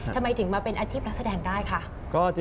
ทำไมถึงมาเป็นอาชีพนักแสดงได้คะ